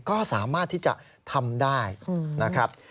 ก็สามารถที่จะทำได้นะครับ